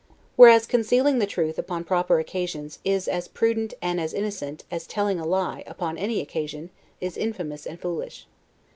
Whereas, concealing the truth, upon proper occasions, is as prudent and as innocent, as telling a lie, upon any occasion, is infamous and foolish.